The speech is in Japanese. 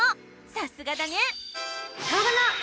さすがだね！